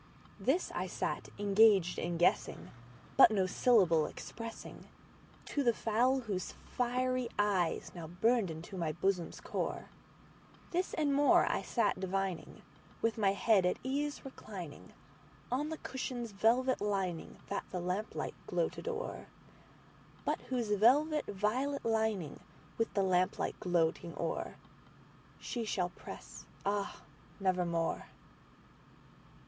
This I sat engaged in guessing, but no syllable expressingTo the fowl whose fiery eyes now burned into my bosom's core; This and more I sat divining, with my head at ease recliningOn the cushion's velvet lining that the lamplight gloated o'er, But whose velvet violet lining with the lamp light gloating o'erShe shall press, ah, nevermore!